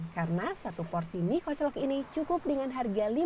karena mie kocolok ini adalah mie kocolok yang terbaik untuk mencicipi mie kocolok yang satu ini